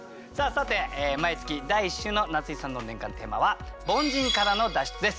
さて毎月第１週の夏井さんの年間テーマは「凡人からの脱出」です。